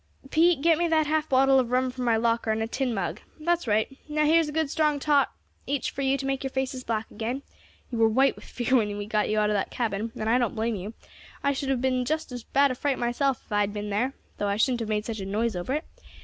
"Pete, get me that half bottle of rum from my locker and a tin mug. That is right. Now here is a good strong tot each for you to make your faces black again; you were white with fear when we got you out of that cabin, and I don't blame you; I should have been in just as bad a fright myself if I had been there, though I shouldn't have made such a noise over it.